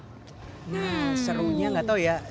nah serunya gak tau ya